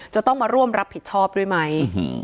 จะต้องมาร่วมรับผิดชอบด้วยไหม